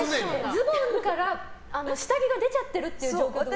ズボンから下着が出ちゃってる状況ってこと？